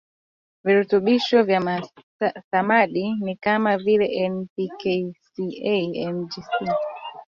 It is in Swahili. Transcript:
virutubisho vya samadid ni kama vile N P K Ca Mg S